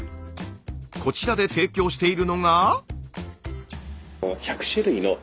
こちらで提供しているのが。